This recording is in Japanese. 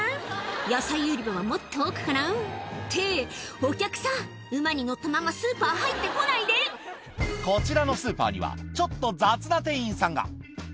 野菜売り場はもっと奥かな？って、お客さん、馬に乗ったまま、こちらのスーパーには、ちょっと雑な店員さんが。